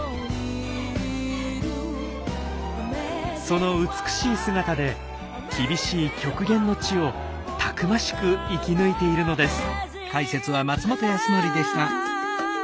その美しい姿で厳しい極限の地をたくましく生き抜いているのです。